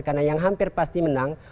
karena yang hampir pasti menang